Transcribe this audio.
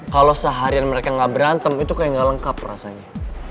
kalau seharian mereka nggak berantem itu kayak nggak lengkap rasanya